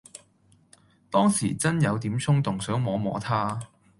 當時真有點衝動想摸摸它